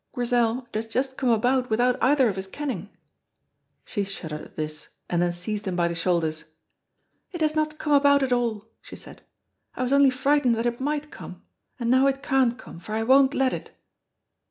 Grizel, it has just come about without either of us kenning!" She shuddered at this, and then seized him by the shoulders. "It has not come about at all," she said, "I was only frightened that it might come, and now it can't come, for I won't let it."